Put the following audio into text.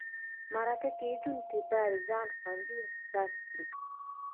مرکه کېدونکی باید ځان خوندي احساس کړي.